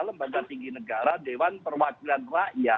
lembaga tinggi negara dewan perwakilan rakyat